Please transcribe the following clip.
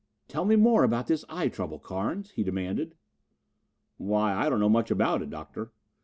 "Tell me more about this eye trouble, Carnes," he demanded. "Why, I don't know much about it, Doctor.